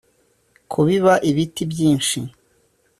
- kubiba ibiti byinshi,